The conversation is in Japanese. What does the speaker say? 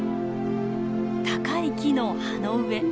高い木の葉の上。